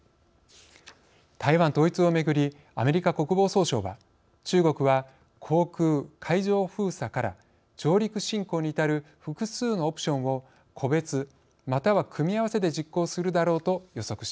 台湾統一をめぐりアメリカ国防総省は中国は航空・海上封鎖から上陸侵攻に至る複数のオプションを個別または組み合わせて実行するだろうと予測しています。